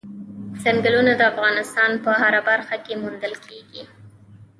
ځنګلونه د افغانستان په هره برخه کې موندل کېږي.